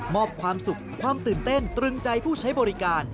อบความสุขความตื่นเต้นตรึงใจผู้ใช้บริการ